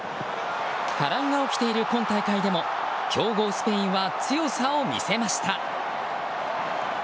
波乱が起きている今大会でも強豪スペインは強さを見せました。